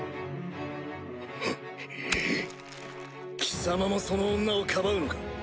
貴様もその女をかばうのか。